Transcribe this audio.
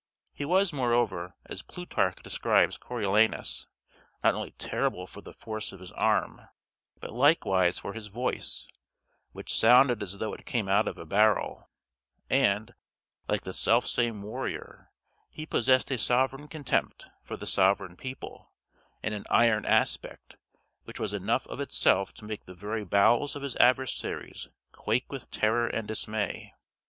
He was, moreover, as Plutarch describes Coriolanus, not only terrible for the force of his arm, but likewise for his voice, which sounded as though it came out of a barrel; and, like the self same warrior, he possessed a sovereign contempt for the sovereign people, and an iron aspect, which was enough of itself to make the very bowels of his adversaries quake with terror and dismay.